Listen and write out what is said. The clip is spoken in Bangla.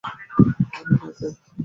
আরে, ক্যাম।